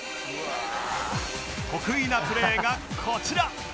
得意なプレーがこちら